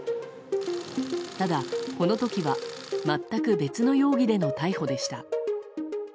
ただ、この時は全く別の容疑での逮捕でした。